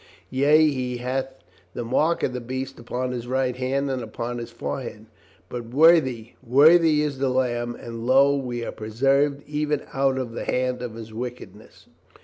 Yea, he hath the mark of the beast upon his right hand and upon his forehead. But worthy, worthy is the Lamb, and lo, we are preserved even out of the hand of his wick edness.